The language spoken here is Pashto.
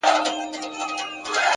هره ننګونه د پټې ځواک ازموینه ده’